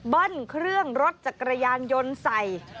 เบิ้ลเครื่องรถจากกระยานยนต์ใส่